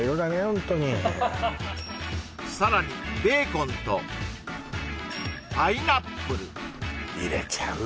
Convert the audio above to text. ホントにさらにベーコンとパイナップル入れちゃう？